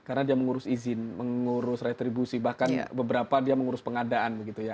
karena dia mengurus izin mengurus retribusi bahkan beberapa dia mengurus pengadaan begitu ya